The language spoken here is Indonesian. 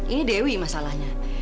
ini dewi masalahnya